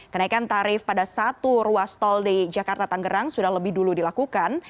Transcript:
kenaikan tarif pada satu ruas tol di jakarta tanggerang sudah lebih dulu dilakukan